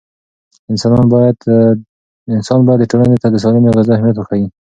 انسان باید ټولنې ته د سالمې غذا اهمیت وښيي.